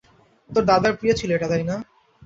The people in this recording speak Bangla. তোর দাদার প্রিয় ছিল এটা তাইনা?